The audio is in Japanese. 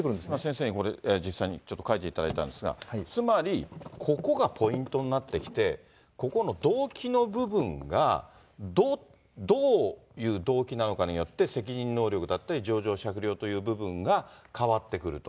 先生にこれ、実際にちょっと書いていただいたんですが、つまりここがポイントになってきて、ここの動機の部分がどういう動機なのかによって、責任能力だったり、情状酌量という部分が変わってくると。